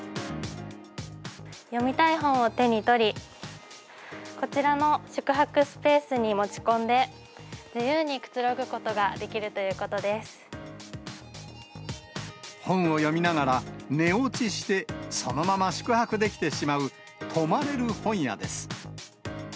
読みたい本を手に取り、こちらの宿泊スペースに持ち込んで、自由にくつろぐことができる本を読みながら、寝落ちして、そのまま宿泊できてしまう、泊まれる本屋です。